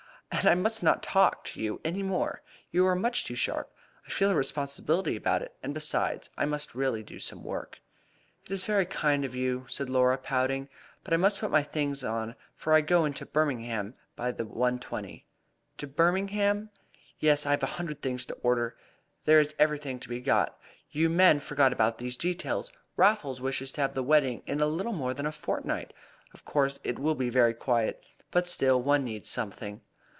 "And I must not talk to you any more. You are much too sharp. I feel a responsibility about it; and, besides, I must really do some work." "It Is very unkind of you," said Laura, pouting. "But I must put my things on, for I go into Birmingham by the 1.20." "To Birmingham?" "Yes, I have a hundred things to order. There is everything to be got. You men forget about these details. Raffles wishes to have the wedding in little more than a fortnight. Of course it will be very quiet, but still one needs something."